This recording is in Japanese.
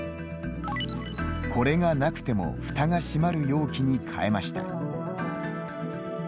これがなくてもふたが閉まる容器に変えました。